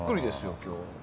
今日。